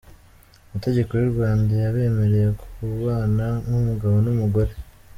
Amategeko y'u Rwanda yabemereye kubana nk'umugabo n'umugore.